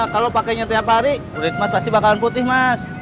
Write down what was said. kalau pakainya tiap hari mas pasti bakalan putih mas